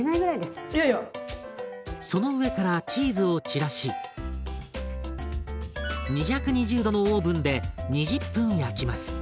その上からチーズを散らし２２０℃のオーブンで２０分焼きます。